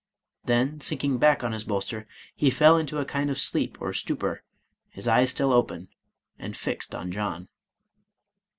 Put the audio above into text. Then, sinking back on his bolster, he fell into a kind of sleep or stupor, his eyes still open, and fixed on John.